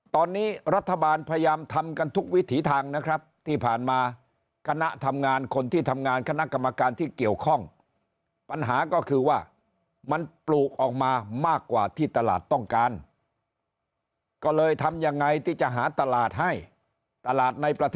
ตอนนี้รัฐบาลพยายามทำกันทุกวิถีทางนะครับ